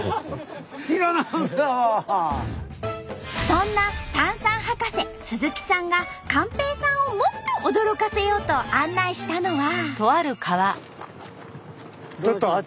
そんな炭酸博士鈴木さんが寛平さんをもっと驚かせようと案内したのは。